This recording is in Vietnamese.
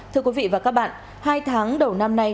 thưa quý vị và các bạn hai tháng đầu năm nay